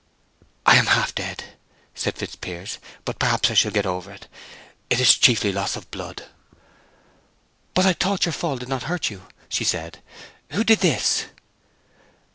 "I am half dead," said Fitzpiers. "But perhaps I shall get over it....It is chiefly loss of blood." "But I thought your fall did not hurt you," said she. "Who did this?"